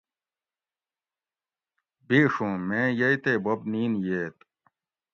بیڛوں میں یئ تے بوب نِین ییت